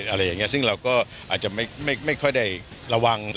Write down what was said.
อะไรอย่างนี้ซึ่งเราก็อาจจะไม่ค่อยได้ระวัง